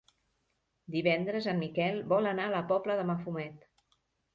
Divendres en Miquel vol anar a la Pobla de Mafumet.